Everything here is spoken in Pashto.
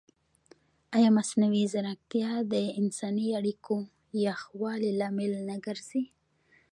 ایا مصنوعي ځیرکتیا د انساني اړیکو یخوالي لامل نه ګرځي؟